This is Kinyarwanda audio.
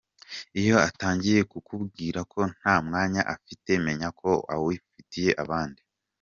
Iyo atangiye kukubwira ko nta mwanya afite, menya ko awufitiye abandi.